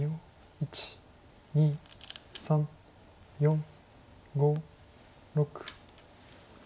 １２３４５６。